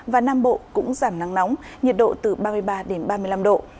và nam bộ cũng giảm nắng nóng nhiệt độ từ ba mươi ba đến ba mươi năm độ